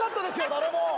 誰も！